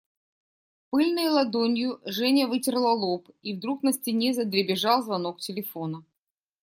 Пыльной ладонью Женя вытерла лоб, и вдруг на стене задребезжал звонок телефона.